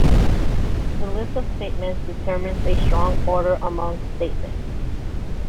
The list of statements determines a strong order among statements.